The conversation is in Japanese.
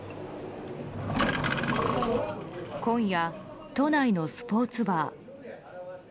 今夜、都内のスポーツバー。